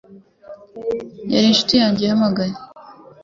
Yari inshuti yanjye yahamagaye.